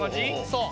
そう。